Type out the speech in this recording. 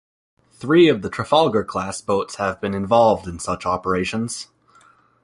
Three of the "Trafalgar"-class boats have been involved in such operations.